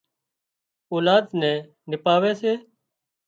اولاد نين نپاوي سي